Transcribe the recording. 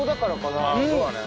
そうだね。